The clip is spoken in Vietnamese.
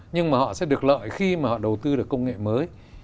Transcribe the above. nhưng mà họ sẽ được lợi khi mà họ đầu tư được công nghệ mới